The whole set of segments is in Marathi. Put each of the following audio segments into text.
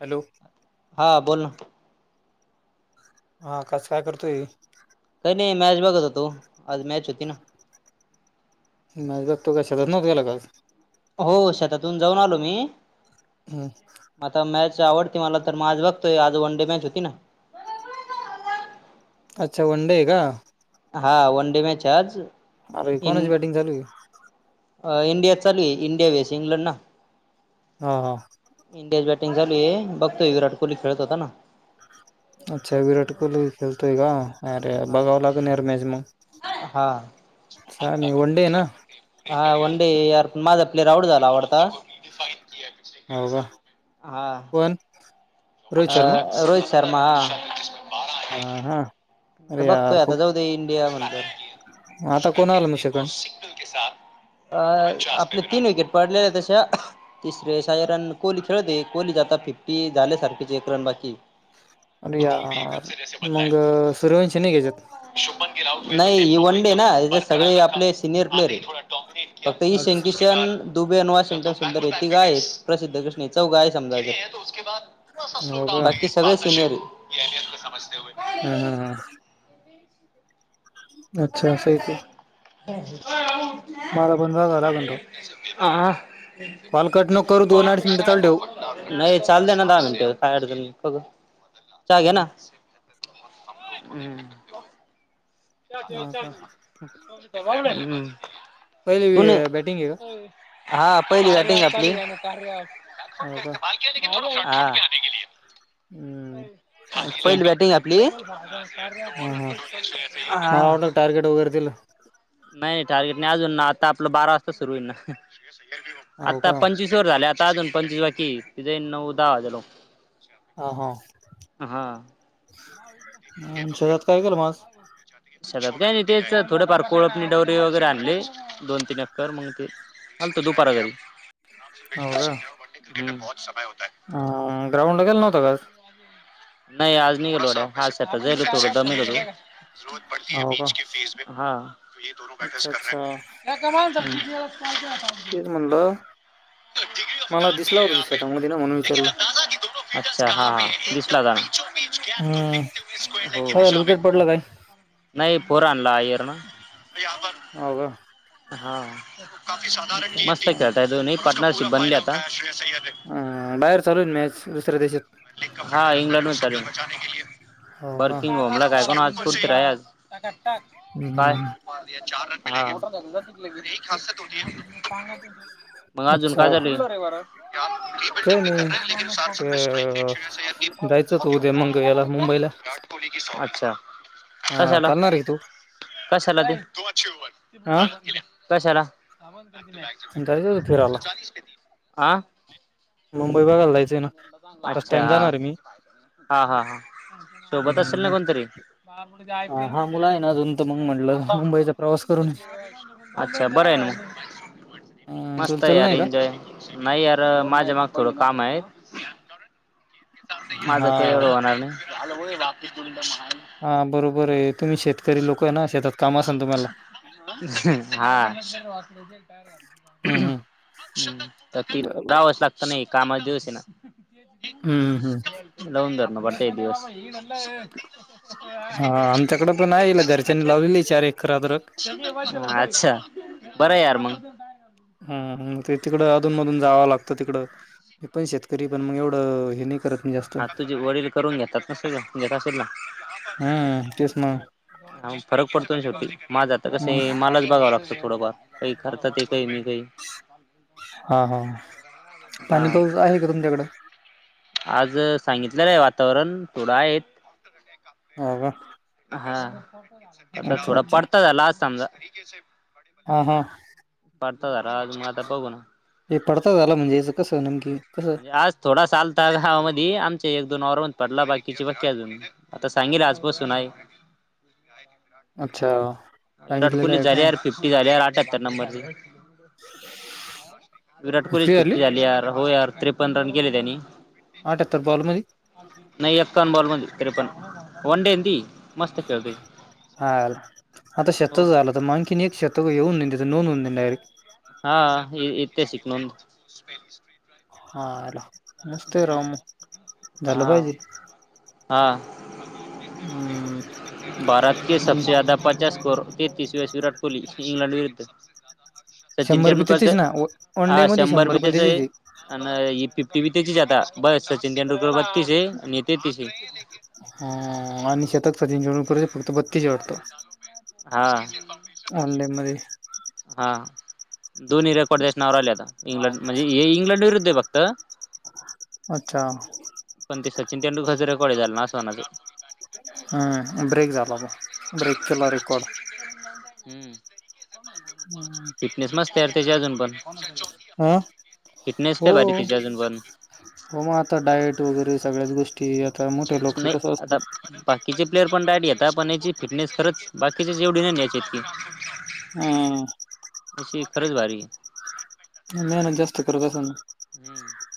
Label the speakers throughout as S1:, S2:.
S1: हॅलो!
S2: हा बोल ना.
S1: हा कसं काय करतोय.
S2: काही नाही मॅच बघत होतो. आज मॅच होती ना!
S1: नाहीक् तो काश नतलागात [unintelligible]
S2: हो शेतातून जाऊन आलो मी.
S1: हम!
S2: आता मॅच आवडती मला तर म आज बघतोय आज वन डे मॅच होती ना.
S1: अच्छा वनडे आहे का?
S2: हा वन डे मॅच आहे आज.
S1: अरे कोणाची बॅटिंग चालू आहे.
S2: अ इंडिया चालु आहे इंडिया वेस इंग्लंड ना.
S1: हा हा.
S2: इंडियाच बॅटिंग चालू आहे, बघतोय विराट कोहली खेळत होता ना.
S1: अच्छा विराट कोहली खेलतोय का? अरे
S2: हा
S1: बघावं लागेल यार मॅच मग
S2: हा
S1: छान हाय वन डे आहे ना.
S2: हा वनडे यार माझा प्लेयर आउट झाला वाटतं. [inaudible]
S1: अव्वा!
S2: हा.
S1: पण
S2: अ रोहित शर्मा आ.
S1: ह हा.
S2: आता
S1: अरे यार
S2: बघतोय आता
S1: खूप
S2: जाऊ दे इंडिया म्हणतो.
S1: आता
S2: [unintelligible]
S1: कोण आलं मग सेकंड
S2: अ आपले तीन विकेट पडलेले तशा. तिसरे सहा -रन कोली खेळते कोली आता फिफ्टी झाल्या सारखेचे एक रन बाकी
S1: अरे यार, मग सूर्यवंश नाही का याच्यात?
S2: नाही हे वन -डे ना त्याच्यात सगळे आपले सिनियर प्लेअर आहेत. फक्त हे
S1: अच्छा
S2: शंकेश्वर दुबे आणि वॉशिंग्चा फिल्डर आहे ती गाय प्रसिद्ध कृष्ण चौघ आहे समजायचं.
S1: हो का हम्- हम्म- हम्.
S2: ए [unintelligible]
S1: ह [unintelligible]
S2: [unintelligible]
S1: मला पण जागाव लागल तेव्हा.
S2: आ.
S1: कॉल कट नको करू, दोन अडीच मिनिट चालू ठेव.
S2: नाही चालुदे ना दहा मिनिट काही अडचण नाही चहा घ्या
S1: हम्म.
S2: ना. हम्म!
S1: हा का
S2: हम कोण
S1: पहिली बॅटिंग
S2: आहे. हा पहिली बॅटिंग आपली
S1: का हो का
S2: हा.
S1: हम्म अच्छा
S2: पहिली बॅटिंग आहे आपली हा हा
S1: टारगेट वगैरे दिल
S2: नाही टारगेट नाही अजून ना आता आपलं बारा वाजता सुरू होईल ना
S1: हो
S2: आता
S1: का
S2: पंचवीस सुरु झाले आता अजून पंचवीस बाकी आहे म्हणजे नऊ दहा वाजलो
S1: हो हो
S2: हा
S1: शेतात काय केलं मग आज?
S2: शेतात काय नाही तेच थोडे फार कोळपणी डवरे वगैरे आणले दोन तीन एकर मग ते आणतो दुपारी
S1: आ ग्राउंडला गेला नव्हतं काय आज
S2: नाही आज नाही गेलो राव आज [unintelligible]
S1: आज हो का
S2: हा डिग्री
S1: अच्छा अच्छा तेच म्हणलं
S2: ऑफ
S1: मला
S2: टर्न ती
S1: दिसला होता तू
S2: आहे
S1: शेतामध्ये ना म्हणून
S2: येेकन
S1: विचारलं
S2: अंदाजा की दोनो [unintelligible] अच्छा हा [inaudible] दिसला का हो
S1: पडला काय?
S2: नाही फोर् आणलं आयर्न
S1: हो का
S2: हा-
S1: अच्छा
S2: मस्त
S1: अच्छा
S2: खेळतय दोन्ही पार्टनरशिप बनली आता अय्यर ने।
S1: ह बाहेर चालू मॅच दुसऱ्या देशात
S2: हा इंग्लंड मध्ये चालू आहे
S1: हो का
S2: बर्किंग होम ला काय कोण आज फिराय आहे आज काय
S1: हम्म.
S2: हा [unintelligible] [inaudible] सांगा की मग मग अजून
S1: अच्छा
S2: काय झालं
S1: काय नाही ते,
S2: [inaudible]
S1: अं, जायचं की उद्या मंग याला मुंबईला
S2: अच्छा [unintelligible]
S1: हा,
S2: कशाला
S1: चालणार आहे की तू
S2: कशाला ते
S1: हा
S2: कशाला
S1: जायचं होतं फिरायला
S2: आ
S1: मुंबई बघायला जायचंय ना फर्स्ट
S2: अच्छा
S1: टाइम जाणार आहे मी
S2: हा हा हा सोबत असेल ना
S1: मग
S2: कोणतरी [unintelligible]
S1: हा मुला आहे ना अजून तर मग म्हटलं मुंबईचा प्रवास करून
S2: अच्छा बरं आहे ना मग
S1: अ तुला
S2: मस्त आहे
S1: चल
S2: यार
S1: नाही का
S2: एंजॉय नाही यार माझ्या माग थोडं काम आहे. माझ
S1: हा
S2: का एवढं होणार नाही
S1: हा बरोबर आहे तुम्ही शेतकरी लोक आहे ना शेतात काम असाल तुम्हाला
S2: हा हम् तर ती
S1: बरोबर
S2: रावा सारखं नाही कामा दिवस आहे ना
S1: हम्म हम
S2: [unintelligible] दिवस
S1: हा आमच्याकड पण आहे घरच्यांनी लावली आहे चार एकरात अद्रक.
S2: अच्छा बरं यार मग
S1: हम ते तिकडं अधून मधून जावं लागतं तिकड हे पण शेतकरी पण मग एवढं हे नाही करत नाही जास्त
S2: अरे तुझे वडील करून घेतात ना सगळ घेत असेल ना
S1: हम्म तेच ना
S2: फरक पडतो शेवट माझा तर कस हे
S1: हम्म
S2: मला बघाव लागतं थोडंफार काही करतात ते काही मी काही [unintelligible]
S1: हा हा पाणी
S2: हा
S1: पाऊस आहे का तुमच्याकडं
S2: आज सांगितलेलं नाही वातावरण थोडं आहेत
S1: अह
S2: हा आता थोडा
S1: अच्छा
S2: पाडता ला आज समजा.
S1: हां हां!
S2: पाडता झाला आज म आता बघु ना.
S1: हे पडता झाला म्हणजे याच कस नमकी.
S2: म्हणजे आज थोडासा आलता गावामधी, आमच्या एक दोन वावरामदी पडला बाकीची बाकी अजून. आता सांगेल ये आजपसून आहे.
S1: अच्छा!
S2: विराट
S1: सांगितलेलं
S2: कोहली
S1: आहे का
S2: झाल्या यार, फिफ्टी झाल्या यार अठ्याहत्तर नंबर ची. विराट कोहली ची फिफ्टी झाली यार, हो यार त्रेपन्न रन केले त्यांनी.
S1: आठ्यातर बॉल मधीच.
S2: नाही एक्कावन बॉल मधी त्रेपण वन डे ना ती. मस्त खेळतोय.
S1: हा आता
S2: हो
S1: शेतच झालं, त म आणखीन एक शेत तस येऊन नन त्याच नोंद होऊन जाईल डारेक्ट.
S2: हा इ-इथे शिकनोन. [unintelligible]
S1: हा आला मस्तय राव मग झालं
S2: हा
S1: पाहिजे.
S2: हा!
S1: हूं!
S2: भारत के सबसे ज्यादा पचास स्कोर, तेतीस वेळेस विराट कोहली इंग्लॅड विरुद्ध. सचिन
S1: शंभर बी
S2: तेंडुलकरच
S1: त्याचेच ना वन
S2: हा
S1: डे मध्ये
S2: शंभर बी
S1: पण
S2: त्याच
S1: त्याचेच
S2: आहे. न ही फिफ्टी बी तेचीच हे आता ब सचिन तेंडुलकर बतीस हे आणि हे तेतीस हे.
S1: हा आणि शतक सचिन तेंडुलकर चे फक्त बत्तीस वाटत.
S2: हा!
S1: अंडेेमधे.
S2: हा दोन्ही रेकॉर्ड देशनाव राहिले आता, इंग्लंड म्हणजे हे इंग्लंड विरुद्ध हे फक्त.
S1: अच्छा!
S2: पण ते सचिन तेंडुलकर च रेकॉर्ड हे त्याल नासवण्याचं.
S1: हं ब्रेक झाला ब, ब्रेक केला रेकॉर्ड.
S2: हूं! फिटनेस मस्त यार त्याची अजून पण.
S1: हा
S2: फिटनेस
S1: हो
S2: लयी भारी त्याची अजून पण.
S1: हो म आता डायट वगैरे सगळ्याच गोष्टी, आता मोठे लोक
S2: नाही
S1: कसं
S2: आता
S1: असत.
S2: बाकीचे प्लेयर पण डायट घेता, पण याची फिटनेस खरंच बाकीच्याच एवढी नाही न याच्या इतकी.
S1: हा!
S2: अशी खरच भारीय.
S1: मेहनत जास्त करत असंन.
S2: हम्म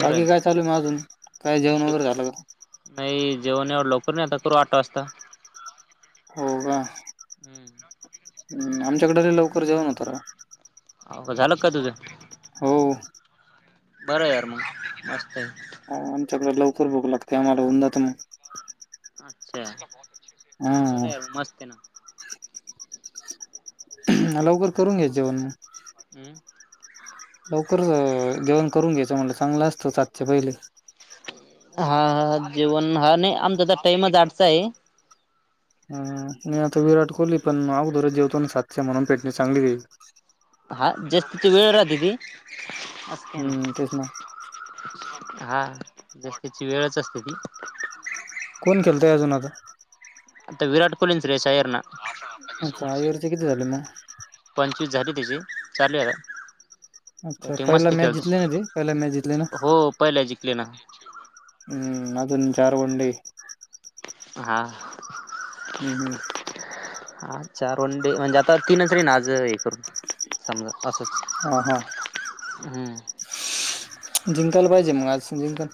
S2: बरं आहे
S1: बाकी काय
S2: ना
S1: चालू म अजून, काय जेवण
S2: बाकी
S1: वगैरे झालं का?
S2: नाही जेवण एवढ्या लोकर नाही, आता करू आठ वाजता.
S1: होका.
S2: हूं!
S1: ऊ आमच्याकड लयी लवकर जेवन होत राव.
S2: ओ झालं का तुझं?
S1: हो
S2: बरं यार मग मस्त.
S1: हा आमच्याकड लवकर भूक लागते आम्हाला होऊन जात म.
S2: अच्छा बरं
S1: हा
S2: यार मस्त हे ना.
S1: लवकर करून घ्या जेवण मग.
S2: हम्म.
S1: लवकरच जेवण करून घ्यायचं म्हटलं चांगलं असतं सात‌च्या पहिले.
S2: हा, जेवण हा नाही आमचा तर टाईमच आठचा आहे.
S1: हा, नाही आता विराट कोहली पण अगोदरच जेवतो ना सातच्या म्हणून फिटनेस चांगली राहील.
S2: हा ज्याची त्याची वेळ राहते ती, असं काय नाय.
S1: हम्म तेच ना
S2: हा ज्याची त्याची वेळच असते ती.
S1: कोण खेळतंय अजून आता?
S2: आता विराट कोहली अन श्रेयश अय्यर ना.
S1: अच्छा, अय्यरचे किती झाले मग?
S2: पंचवीस झाली त्याचे, चाले आता.
S1: अच्छा,
S2: बॅटिंग
S1: पहिला
S2: मस्त
S1: मॅच
S2: खेळतो
S1: जितले ना ते, पहिला मॅच जितले ना?
S2: हो पहिला जिकले ना.
S1: हम्म, अजून चार गोंडे.
S2: हा.
S1: हम्म हम्म
S2: हा चार वन डे म्हणजे आता तीनच रे ना, आज हे करून समजा असंच
S1: हा हा.
S2: हम्म
S1: जिंकायला पाहिजे ना, मग आज जिंकन.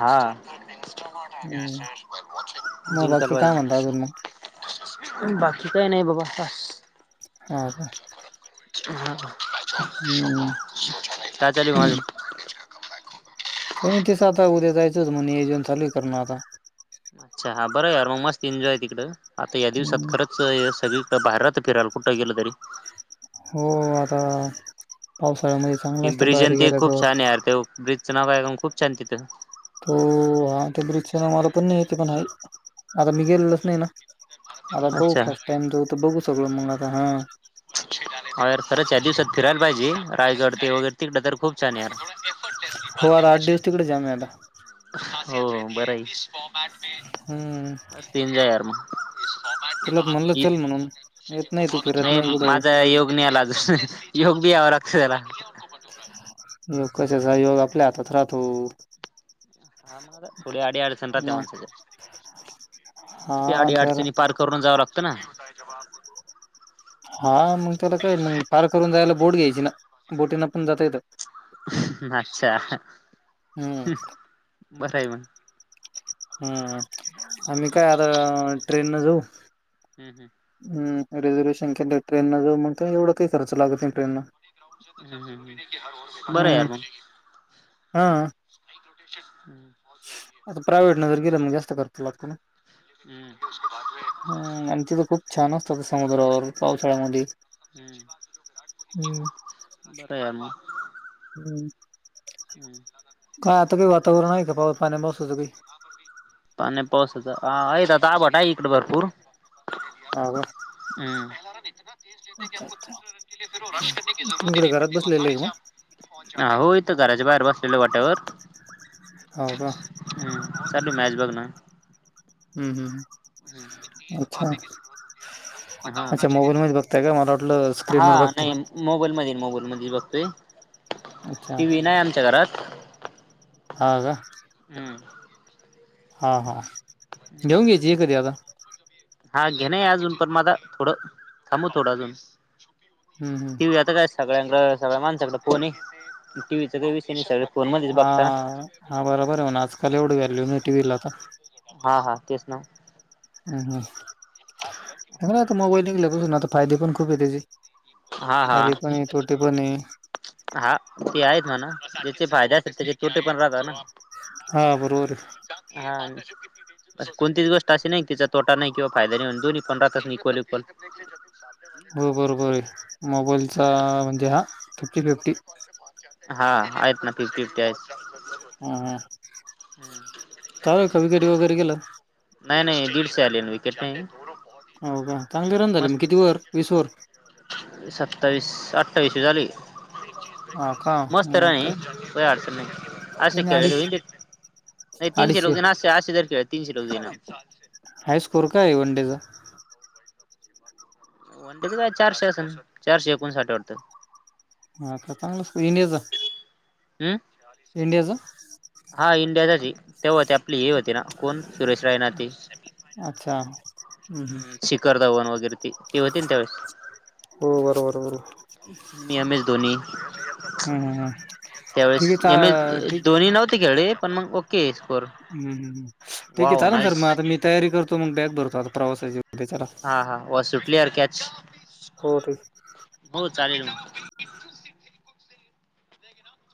S2: हा,
S1: मग
S2: जिंकायला
S1: बाकी काय
S2: पाहिजे.
S1: म्हणता अजून मग
S2: बाकी काय नाही बाबा बास
S1: हा का?
S2: हा,
S1: हम्म
S2: काय चालूय मग अजून?
S1: काही नाय तेच आता उद्या जायचंच मग नियोजन चालूय करणं आता.
S2: अच्छा, बरं यार मग मस्त एन्जॉय तिकडं, आता या दिवसात खरं च सगळीकडं भारी राहतं फिरायला कुठं गेलं तरी.
S1: हो आता, पावसाळ्यामध्ये चांगला
S2: ती
S1: असतं
S2: ब्रिज
S1: बाहेर
S2: अन ती
S1: गेल्या
S2: खूप
S1: गवत
S2: छान हाय आर, त्यो ब्रिजचं नाव काय [unintelligible] खूप छान तिथं.
S1: तो हा ते ब्रिजचे नाव मला पण नाही येते, पण आहे आता मी गेलेलोच नाही ना. आता बघू
S2: अच्छा
S1: फर्स्ट टाइम जाऊ तर बघू सगळं मग आता हा.
S2: हा यार खरंच या दिवसात फिरायला पाहिजे, रायगड ते वगैरे तिकडं तर खूप छान आहे यार.
S1: हो आरं आठ दिवस तिकडंच आहे आम्ही आता.
S2: हो बरंय.
S1: हम्म.
S2: [unintelligible] यार मग.
S1: तुलाच म्हणलं
S2: इ
S1: चल म्हणून येत नाही तू फिरत
S2: नाय
S1: नाही कुठं
S2: माझा योग नाई आला योग बी यावा लागतो त्याला.
S1: योग कशाचा योग, आपल्या हातात राहतो.
S2: हा म आता, थोडी आडी अडचण राहते
S1: मग
S2: माणसाच्या, त त्या
S1: हा
S2: आडी
S1: तर
S2: अडचणी पार क करूनच जावं लागतं ना. [unintelligible]
S1: हा मग त्याला काय मग पार करून जायला बोट घ्यायची ना, बोटीनं पण जाता येतं.
S2: अच्छा.
S1: ह.
S2: बरां आहे मं
S1: हम्मं आम्हीं कायं आंता ट्रेन नं जाऊं
S2: हम्मं हं
S1: हम्मं रिझर्वेशन केल्यावर ट्रेन नं जाऊं मंग कांहीं एवढां कांहीं खर्च लागतं नाहीं ट्रेन
S2: बरं आहे
S1: हम्म
S2: आंता [unintelligible]
S1: आंता प्रायव्हेट नं जरं गेलं मंग जास्तं खर्च लागतो नां
S2: हम्मं
S1: हम्मं आणि तिथं खूंप छान असतांत ते समुद्रावरं पावसाळ्यांमध्ये
S2: बरंय यार मंग [unintelligible]
S1: हम्मं कायं आंता कांहीं वातांवरण आहे कां पाव पाण्यां पावसाचं कांहीं
S2: [unintelligible] पाण्यां पावसाचं हां आंता आंभट आहे इकडं भरंपूर
S1: आं गरं
S2: हम्मं दुसऱ्या रशा
S1: अच्छा
S2: करची जरुंरतही
S1: तुम्ही
S2: नाहीं
S1: कुठे घरात
S2: पडती
S1: बसलेले आहे का मग?
S2: आसं हां हो इथं घरांच्या बाहेर बसलेले वॉटेवर
S1: हांव कां
S2: तंठी नाहीं जाऊं नां
S1: हम्मं हम्मं
S2: जरूंर होती पणं हो कां
S1: अगं मलां वाटलं
S2: हां
S1: स्क्रीनवर बघताय.
S2: नाहीं मोबाईल मध्यें मोबाईल मध्यें बघतोय
S1: अच्छा
S2: टी व्ही नाहीं आमच्या घरांत
S1: हां कां
S2: हम्मं
S1: हां हां घेऊंन घायांची एखादी आंता
S2: हां घेणं अजूंन पणं मं आंता थोडं थांबु थोडं अजूंन
S1: हम्म हम्म
S2: टीव्ही आंता कायं सगळ्यांक सगळ्यां माणसाकडे फोन आहे टीव्हीचा कांहीं विषय नाहीं सगळं
S1: हां हां बरोबर आहे म्हणे आंजकांल एवढी व्हॅल्यू नाहीं टी व्हीला आंता
S2: हां हां तेचं नां
S1: हम्मं हं नां
S2: हा
S1: आंता
S2: तेच
S1: मोबाईल निघल्यांपसून आंता फायदे पणं खूंप आहे त्यांचे
S2: ना. हा
S1: फायदे पणं आहे तोटे पणं आहे
S2: हां ते आहेतं म्हणां त्यांचे फायदे असलं त्यांचे तोटे पणं राहतं नां
S1: हा बरोबर
S2: हां कोणतीच गोष्ट असंशी नाहीं तिच्या तोटां नाहीं किंवा फायदां नाहीण दोनी पणं राहतां इक्वल इक्वल [unintelligible]
S1: हो बरोबर आहे
S2: हम्म.
S1: मोबाईलचा म्हणजे हां फिफ्टी फिफ्टी
S2: हां आहेतं नां फिफ्टी फिफ्टी आहेतं
S1: हां हां आं
S2: हम्मं,
S1: कायं गं कवी गडी वगैरें गेलांत.
S2: नाहीं नाहीं दीडशे आले विकेट नाहीं.
S1: हो कां चांगले रन झाले मंग किती वरं वीस वरं.
S2: सत्तावीस, अठ्ठावीसे झाले
S1: हा का
S2: मस्तं राणी
S1: मग
S2: व्हंय कांहीं अडचं नाहीं असशं
S1: कोणी
S2: खेळले
S1: अडीच
S2: नाही, तिनशे र
S1: अडीचशे
S2: एकद अस अस देकी तिनशेद
S1: हाय स्कोअर काय वनडेचा
S2: वनडे काय चारशे असन चारशे एकोण साठ आहे वाटतं
S1: ह का चांगला येनेजा
S2: हम्म
S1: इंडियाचं
S2: हा इंडियाचीच तेव्हाती आपली ही होती ना कोण सुरेश रायना ते
S1: अच्छा हम्म हम्म
S2: करधवन वगैरे ते होते ना त्यावेळेस
S1: हो बरोबर, बरोबर
S2: मी एम एस धोनी
S1: हम्म हम्म ठीक
S2: त्यावेळेस
S1: आहे
S2: एम
S1: चा
S2: एस
S1: ठीक
S2: धोनी नव्हते खेळले पण मग केस फोर
S1: हम्म हम्म ठीक आहे
S2: वाव
S1: चालेल सर
S2: नाईस
S1: मग आता मी तयारी करतो मग बॅग भरतो आता प्रवासाची उद्याच्याला.
S2: हा, हा वा सुटली अरे कॅच
S1: हो रे
S2: हो चालेल ना